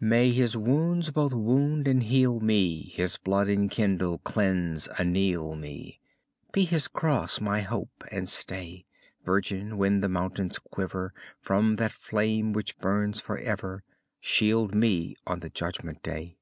May his wounds both wound and heal me; His blood enkindle, cleanse, anneal me; Be his cross my hope and stay: Virgin, when the mountains quiver, From that flame which burns for ever, Shield me on the judgment day.